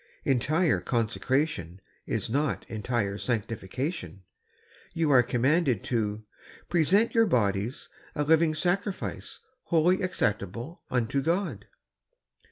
Entire consecration is not entire sanctification. You are commanded to " present your bodies a living sacrifice, holy, acceptable unto God."